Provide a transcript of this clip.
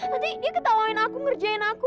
nanti dia ketawain aku ngerjain aku